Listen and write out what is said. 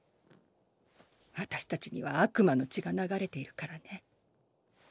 私たちには悪魔の血が流れているからね。